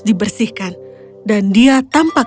dibersihkan dan dia tampak